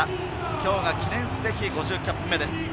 きょうが記念すべき５０キャップ目です。